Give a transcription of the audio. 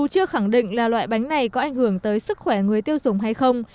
mặc dù chưa khẳng định là loại bánh này có ảnh hưởng tới sức khỏe người tiêu dùng hay không